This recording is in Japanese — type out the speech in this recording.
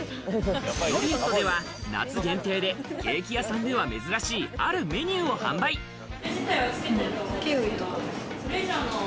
ノリエットでは夏限定でケーキ屋さんでは珍しい、あるメニューをキウイとか。